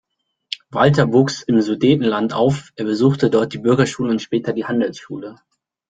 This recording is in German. Walter wuchs im Sudetenland auf, er besuchte dort die Bürgerschule und später die Handelsschule.